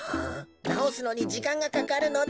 なおすのにじかんがかかるのだ。